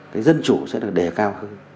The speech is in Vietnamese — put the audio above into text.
cái dân chủ sẽ được đề cao hơn